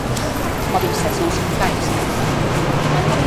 Mobilizacións sindicais.